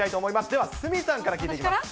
では鷲見さんから聞いていきます。